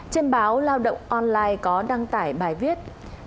trên báo lao động online có đăng tải bài viết